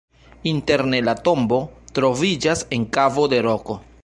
Interne la tombo troviĝas en kavo de roko.